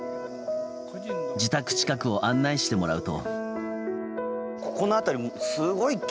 自宅近くを案内してもらうと。